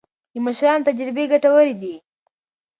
د مشرانو تجربې ګټورې دي.